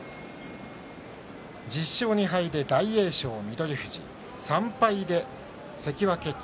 １０勝２敗で大栄翔と翠富士３敗で関脇霧